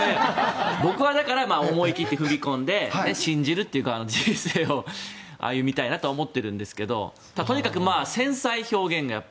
僕は思い切って踏み込んで信じる人生を歩みたいなと思ってるんですがとにかく繊細、表現が。